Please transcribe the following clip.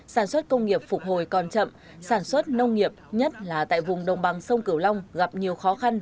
sản xuất công nghiệp phục hồi còn chậm sản xuất nông nghiệp nhất là tại vùng đồng bằng sông cửu long gặp nhiều khó khăn